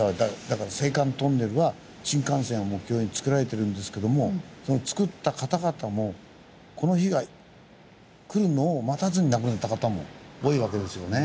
だから青函トンネルは新幹線を目標に造られてるんですけども造った方々もこの日が来るのを待たずに亡くなった方も多いわけですよね。